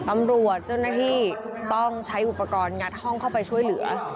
ตำรวจเจ้าหน้าที่ต้องใช้อุปกรณ์งัดห้องเข้าไปช่วยเหลือ